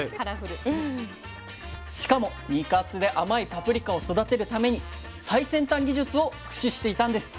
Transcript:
しかも肉厚で甘いパプリカを育てるために最先端技術を駆使していたんです。